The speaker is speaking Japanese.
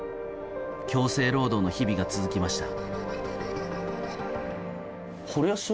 強制労働の日々が続きました。